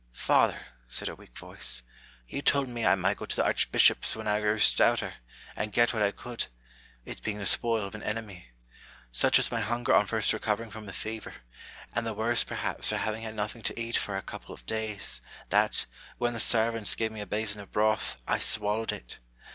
" Father !" said a weak voice, " you told me I might go to the archbishop's when I grew stouter, and get what I could ; it being the spoil gf an enemy. Such was my hunger on first recovering from the fever, and the worse perhaps from having had nothing to eat for a couple of days, that, when the servants gave me a basin of broth, I swallowed it.